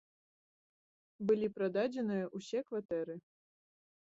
Былі прададзеныя ўсе кватэры.